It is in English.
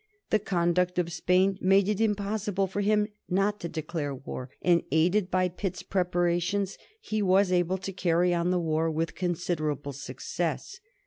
The conduct of Spain made it impossible for him not to declare war, and, aided by Pitt's preparations, he was able to carry on the war with considerable success.